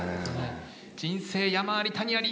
人生山あり谷あり